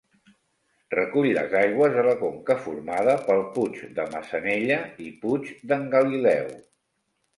Recull les aigües de la conca formada pel Puig de Massanella i Puig d'en Galileu.